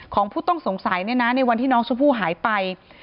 ของผู้ต้องสงสัยในวันที่น้องชมพู่หายไป